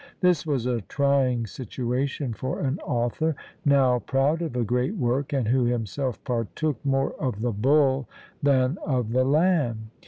This was a trying situation for an author, now proud of a great work, and who himself partook more of the bull than of the lamb.